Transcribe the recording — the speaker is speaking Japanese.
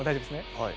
はい。